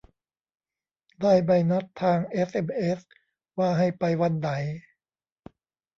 ได้ใบนัดทางเอสเอ็มเอส ว่าให้ไปวันไหน